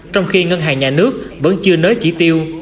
trong khi ngân hàng nhà nước vẫn chưa nới chỉ tiêu